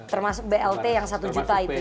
termasuk blt yang satu juta itu